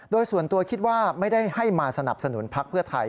โดยส่วนตัวคิดว่าไม่ได้ให้มาสนับสนุนพักเพื่อไทย